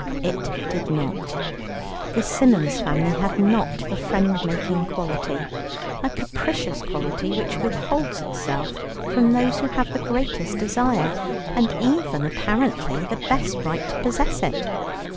It did not. The Symons family had not the friend making quality a capricious quality, which withholds itself from those who have the greatest desire, and even apparently the best right, to possess it.